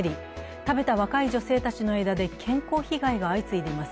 食べた若い女性たちの間で健康被害が相次いでいます。